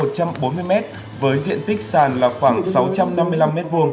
công trình có tổng kinh phí là bốn trăm bốn mươi m với diện tích sàn là khoảng sáu trăm năm mươi năm m hai